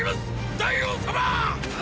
大王様ァ！